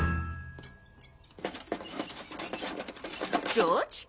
ジョージ？